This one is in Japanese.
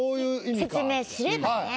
説明すればね。